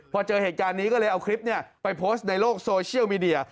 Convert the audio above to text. พอเจอเหตุการณ์นี้ก็เลยเอาคลิปไปโพสต์ในโลกโซเชียลมีเดีย